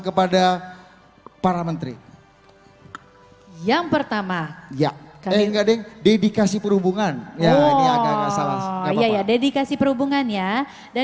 kepada para menteri yang pertama